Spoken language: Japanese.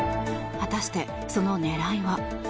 果たして、その狙いは。